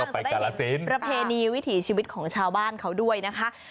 ไปกาลสินประเพณีวิถีชีวิตของชาวบ้านเขาด้วยนะคะ